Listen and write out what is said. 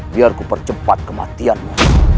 biar ku percepat kematianmu